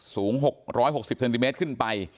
สูง๖๖๐เซนติเมตรขึ้นไป